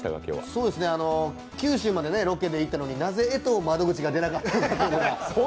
九州までロケで行ったのになぜえとう窓口が出なかったのか。